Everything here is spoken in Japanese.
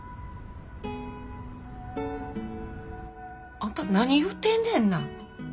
あんた何言うてんねんな。